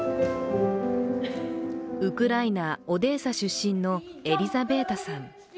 ウクライナ・オデーサ出身のエリザベータさん。